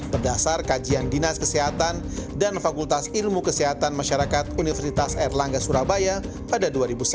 berdasar kajian dinas kesehatan dan fakultas ilmu kesehatan masyarakat universitas erlangga surabaya pada dua ribu satu